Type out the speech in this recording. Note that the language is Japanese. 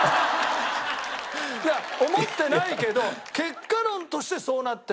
いや思ってないけど結果論としてそうなってるのよ。